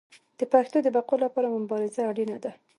د پښتو د بقا لپاره مبارزه اړینه ده.